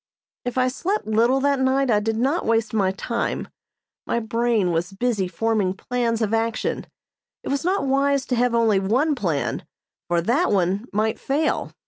If I slept little that night I did not waste my time. My brain was busy forming plans of action. It was not wise to have only one plan, for that one might fail.